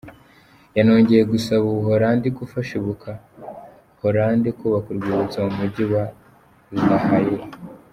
Yanongeye gusaba u Buholandi gufasha Ibuka Hollande kubaka Urwibutso mu mujyi wa La Haye.